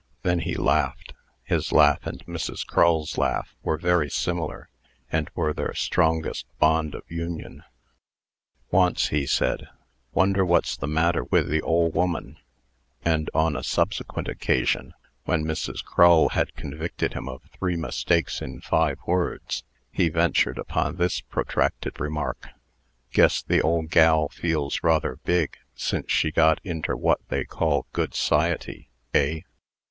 Then he laughed (his laugh and Mrs. Crull's laugh were very similar, and were their strongest bond of union). Once he said, "Wonder what's the matter with the ole woman?" And, on a subsequent occasion, when Mrs. Crull had convicted him of three mistakes in five words, he ventured upon this protracted remark: "Guess the ole gal feels rather big since she got inter wot they call good s'ciety, eh?"